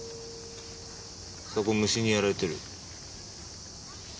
そこ虫にやられてる。